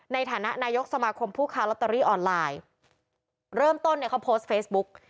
ในฐานะนายกสมาคมผู้ค้าลอตเตอรี่ออนไลน์เริ่มต้นเนี่ยเขาโพสต์เฟซบุ๊ก